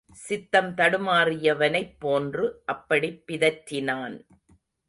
சித்தம் தடுமாறியவனைப் போன்று, அப்படிப் பிதற்றினான்.